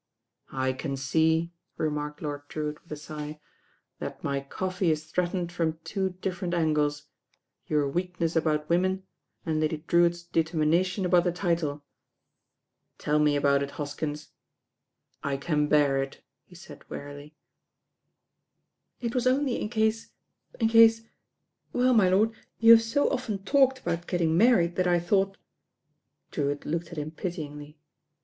"I can see," remarked Lord Drewitt with a sigh, "that my coffee is threatened from two different angles: your weakness about women, and Lady Drewitt's determination about the title. Tell me about it, Hoskins. I can bear it," he said earily. "It was only in case — ^in case ^ ^i, my lord, you have so often talked about gettmg mar ried that I though. " Drewitt looked at him pityingly.